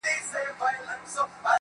چي د صبر شراب وڅيښې ويده سه.